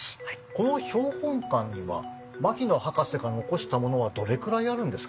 この標本館には牧野博士が残したものはどれくらいあるんですか？